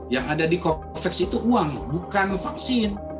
yang ada di covax itu uang bukan vaksin